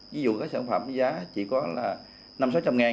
ví dụ các sản phẩm giá chỉ có là năm trăm linh sáu trăm linh ngàn